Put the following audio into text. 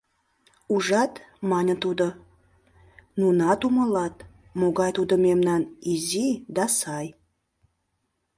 — Ужат, — мане тудо, — нунат умылат, могай тудо мемнан изи да сай.